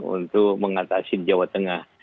untuk mengatasi jawa tengah